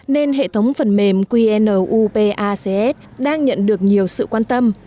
nên hệ thống phần mềm qnupacs đang nhận được nhiều sự quan tâm